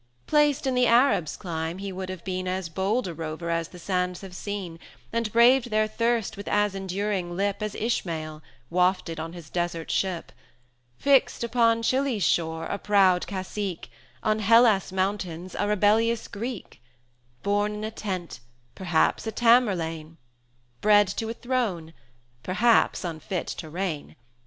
Placed in the Arab's clime he would have been As bold a rover as the sands have seen, 180 And braved their thirst with as enduring lip As Ishmael, wafted on his Desert Ship; Fixed upon Chili's shore, a proud cacique: On Hellas' mountains, a rebellious Greek; Born in a tent, perhaps a Tamerlane; Bred to a throne, perhaps unfit to reign.